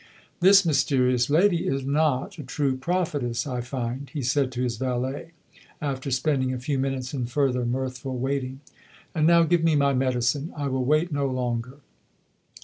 "This mysterious lady is not a true prophetess, I find," he said to his valet, after spending a few minutes in further mirthful waiting. "And now give me my medicine; I will wait no longer."